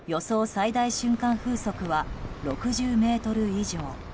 最大瞬間風速は６０メートル以上。